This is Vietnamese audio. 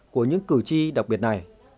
của những cử tri đặc biệt này